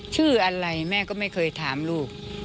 ชื่ออะไรแม่ก็ไม่เคยถามลูก